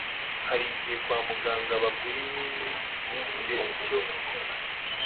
harigihe kwamuganga bagura iminti ntigire icyo